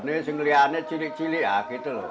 ini singliannya cili cili ah gitu loh